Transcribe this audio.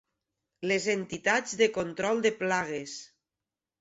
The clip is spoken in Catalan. Les entitats de control de plagues.